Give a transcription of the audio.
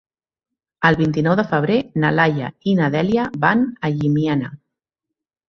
El vint-i-nou de febrer na Laia i na Dèlia van a Llimiana.